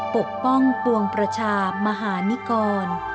ปกป้องปวงประชามหานิกร